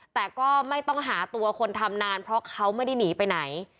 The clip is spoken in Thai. แต่ก็ไม่ต้องหาตัวคนทำนานเพราะเขาไม่ได้หนีไปไหน